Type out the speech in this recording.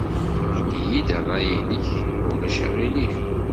Ini-iyi-d ṛṛay-nnek, ma ulac aɣilif.